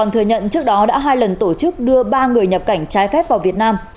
thừa nhận trước đó đã hai lần tổ chức đưa ba người nhập cảnh trái phép vào việt nam